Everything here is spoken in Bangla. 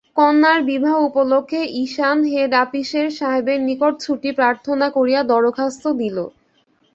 কন্যার বিবাহ উপলক্ষে ঈশান হেড আপিসের সাহেবের নিকট ছুটি প্রার্থনা করিয়া দরখাস্ত দিল।